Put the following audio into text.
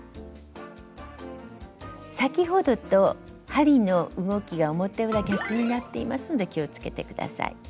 先ほどと針の動きが表裏逆になっていますので気をつけて下さい。